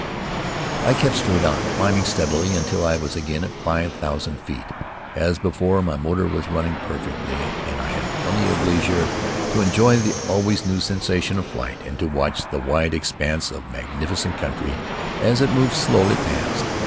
I kept straight on, climbing steadily, until I was again at five thousand feet. As before, my motor was running perfectly and I had plenty of leisure to enjoy the always new sensation of flight and to watch the wide expanse of magnificent country as it moved slowly past.